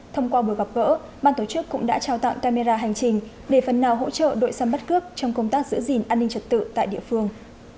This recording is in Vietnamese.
thông qua buổi gặp gỡ ban tổ chức cũng đã trao tặng camera hành trình để phần nào hỗ trợ đội săn bắt cướp trong công tác giữ gìn an ninh trật tự tại địa phương